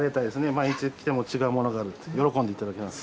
毎日来ても違うものがあると喜んでいただけます。